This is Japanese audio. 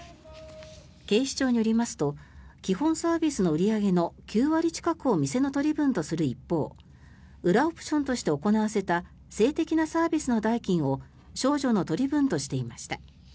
警視庁によりますと基本サービスの売り上げの９割近くを店の取り分とする一方裏オプションとして行わせた性的なサービスの代金を少女の取り分としていました。